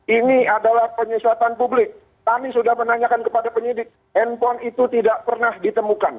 ini adalah penyesatan publik kami sudah menanyakan kepada penyidik handphone itu tidak pernah ditemukan